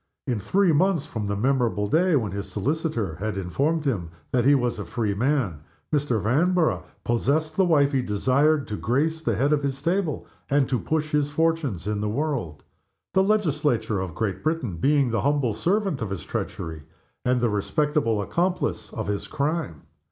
In three months from the memorable day when his solicitor had informed him that he was a free man, Mr. Vanborough possessed the wife he desired, to grace the head of his table and to push his fortunes in the world the Legislature of Great Britain being the humble servant of his treachery, and the respectable accomplice of his crime.